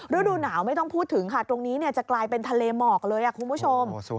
ฤดูหนาวไม่ต้องพูดถึงค่ะตรงนี้จะกลายเป็นทะเลหมอกเลยคุณผู้ชม